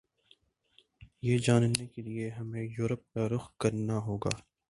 یہ جاننے کیلئے ہمیں یورپ کا رخ کرنا ہوگا